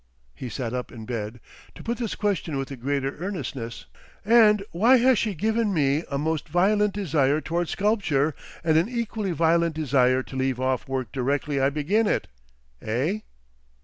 He sat up in bed, to put this question with the greater earnestness. "And why has she given me a most violent desire towards sculpture and an equally violent desire to leave off work directly I begin it, eh?...